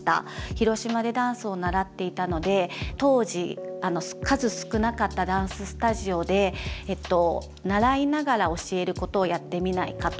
広島でダンスを習っていたので当時数少なかったダンススタジオで習いながら教えることをやってみないかと。